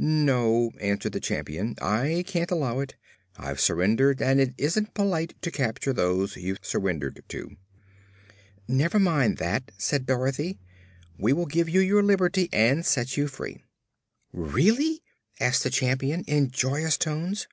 "No," answered the Champion, "I can't allow it. I've surrendered, and it isn't polite to capture those you've surrendered to." "Never mind that," said Dorothy. "We will give you your liberty and set you free." "Really?" asked the Champion in joyous tones.